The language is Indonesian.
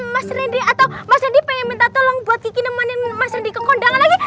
mas rendy atau mas andi pengen minta tolong buat kiki nemenin mas andi ke kondangan lagi